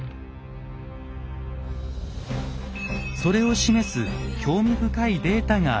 それを示す興味深いデータがあります。